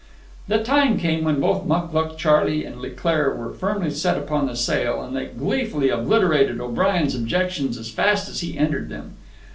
The time came when both Mucluc Charley and Leclaire were firmly set upon the sale, and they gleefully obliterated O'Brien's objections as fast as he entered them.